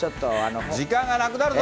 時間がなくなるぞ。